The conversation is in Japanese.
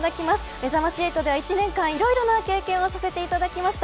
めざまし８では１年間いろいろな経験をさせていただきました。